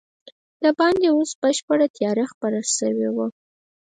دباندې اوس بشپړه تیاره خپره شوې وه.